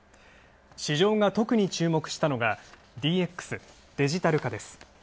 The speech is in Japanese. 市場が特に注目したのが、ＤＸ、デジタル化です。